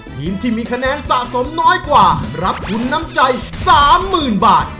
ทีมที่มีคะแนนสะสมน้อยกว่ารับทุนน้ำใจ๓๐๐๐บาท